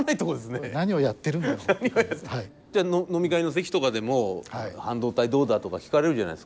飲み会の席とかでも半導体どうだ？とか聞かれるじゃないですか。